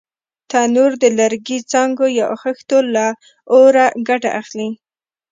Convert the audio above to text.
تنور د لرګي، څانګو یا خښتو له اوره ګټه اخلي